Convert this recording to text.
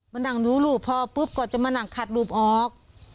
มานั่งดูรูปพ่อปุ๊บก็จะมานั่งขัดรูปออก